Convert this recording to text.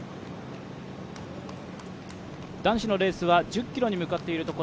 男子のレースは１０ｋｍに向かっているところ。